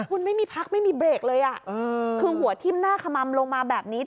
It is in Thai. คุณไม่มีพักไม่มีเบรกเลยอ่ะคือหัวทิ้มหน้าขมัมลงมาแบบนี้